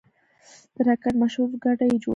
د راکټ مشهور اورګاډی یې جوړ کړ.